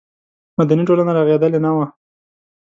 مدني ټولنه رغېدلې نه وه.